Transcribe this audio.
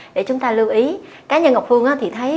để chúng ta lưu ý cá nhân ngọc phương thì thấy